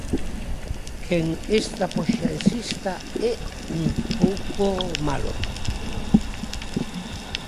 Que esta poxa exista é un pouco malo.